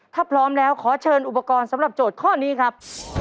ถ้าพร้อมแล้วขอเชิญอุปกรณ์สำหรับโจทย์ข้อนี้ครับ